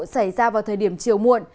xảy ra vào thời điểm chiều muộn